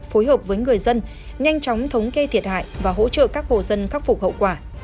phối hợp với người dân nhanh chóng thống kê thiệt hại và hỗ trợ các hộ dân khắc phục hậu quả